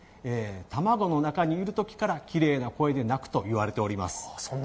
卵の中にいる時からきれいな声で鳴くと言われております。